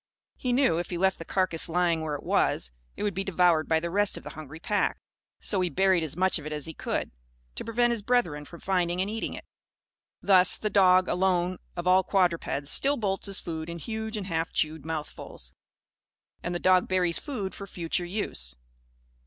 He knew, if he left the carcase lying where it was, it would be devoured by the rest of the hungry pack. So he buried as much of it as he could, to prevent his brethren from finding and eating it. Thus, the dog, alone of all quadrupeds, still bolts his food in huge and half chewed mouthfuls; and the dog buries food for future use.